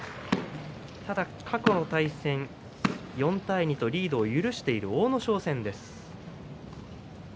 ただ過去の対戦４対２とリードを許している阿武咲戦です。